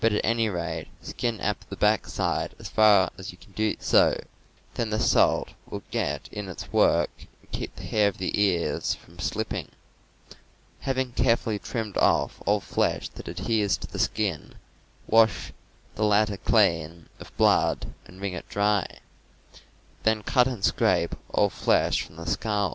How to Skin a Deer's Head. any rate skin up the back side as far as you can do so; then the salt will get in its work and keep the hair of the ears from slipping. Having carefully trimmed off all flesh that adheres to the skin, wash the latter clean of blood and wring it dry. Then cut and scrape all flesh from the skull.